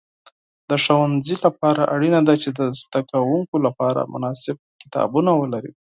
د ښوونځي لپاره اړینه ده چې د زده کوونکو لپاره مناسب کتابونه ولري.